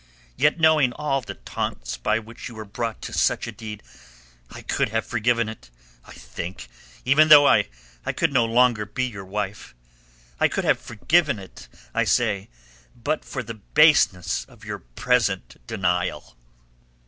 Yet knowing all the taunts by which you were brought to such a deed I could have forgiven it, I think, even though I could no longer be your wife; I could have forgiven it, I say, but for the baseness of your present denial."